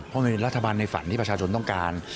เพราะมันเป็นรัฐบาลในฝันที่ประชาชนต้องการ